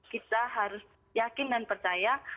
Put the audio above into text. kita harus yakin dan percaya